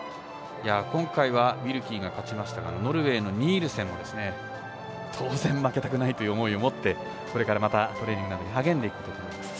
今回はウィルキーが勝ちましたがノルウェーのニールセンも当然、負けたくないという思いを持ってこれから、またトレーニングなど励んでいくと思います。